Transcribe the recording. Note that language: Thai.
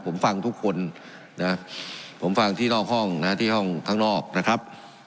ผมฟังทุกคนนะผมฟังที่นอกห้องนะที่ห้องข้างนอกนะครับ